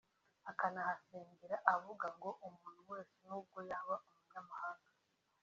akanahasengera avuga ngo umuntu wese nubwo yaba umunyamahanga